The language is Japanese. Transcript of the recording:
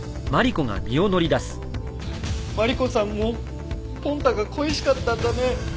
マリコさんもポンタが恋しかったんだね。